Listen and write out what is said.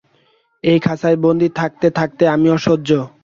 এই খাঁচায় বন্দি থাকতে থাকতে আমি অসহ্য।